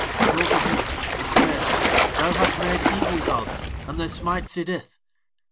Go to him, and say: 'Thou hast made evil gods, and They smite Sidith.'